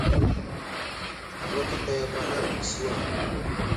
Wakita yakw anay agwi suwa.